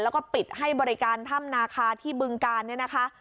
แล้วก็ปิดให้บริการถ้ำนาคาที่บึงการเนี่ยนะคะ